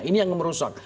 ini yang merusak